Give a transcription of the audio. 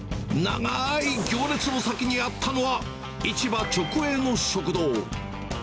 長ーい行列の先にあったのは、市場直営の食堂。